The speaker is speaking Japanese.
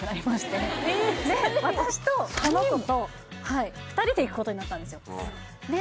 で私とこの子と２人で行くことになったんですよで